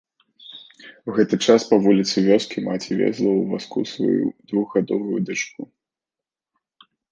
У гэты час па вуліцы вёскі маці везла ў вазку сваю двухгадовую дачку.